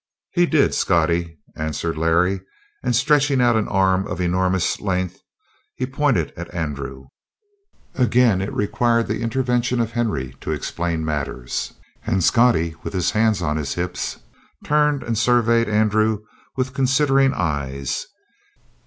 "He did, Scottie," answered Larry, and, stretching out an arm of enormous length, he pointed at Andrew. Again it required the intervention of Henry to explain matters, and Scottie, with his hands on his hips, turned and surveyed Andrew with considering eyes.